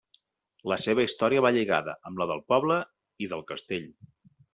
La seva història va lligada amb la del poble i del castell.